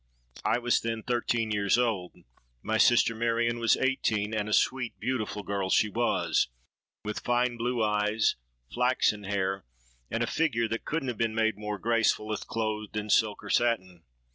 I was then thirteen years old: my sister, Marion, was eighteen, and a sweet beautiful girl she was, with fine blue eyes, flaxen hair, and a figure that couldn't have been made more graceful if clothed in silk or satin.